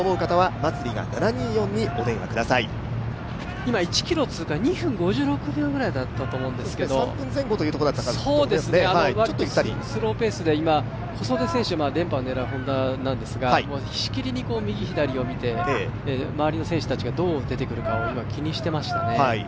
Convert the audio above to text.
今、１ｋｍを通過２分５６秒前後だったんですけど、スローペースで小袖選手が連覇を狙うＨｏｎｄａなんですが、しきりに右左を見て、周りの選手たちがどう出てくるかを今気にしてましたね。